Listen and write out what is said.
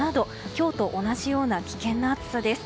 今日と同じような危険な暑さです。